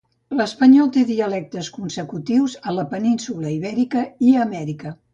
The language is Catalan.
L'espanyol té dialectes consecutius a la península Ibèrica i a Amèrica.